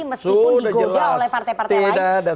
meskipun digoda oleh partai partai lain